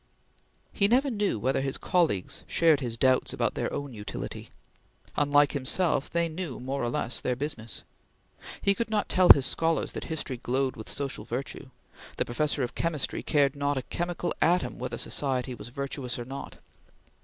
He never knew whether his colleagues shared his doubts about their own utility. Unlike himself, they knew more or less their business. He could not tell his scholars that history glowed with social virtue; the Professor of Chemistry cared not a chemical atom whether society was virtuous or not.